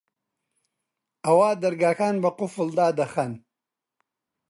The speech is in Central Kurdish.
ئەوا دەرگاکان بە قوفڵ دادەخەن